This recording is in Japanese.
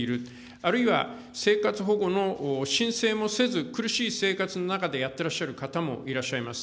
あるいは生活保護の申請もせず、苦しい生活の中でやってらっしゃる方もいらっしゃいます。